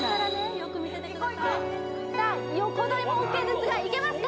よく見ててくださいさあ横取りもＯＫですがいけますか？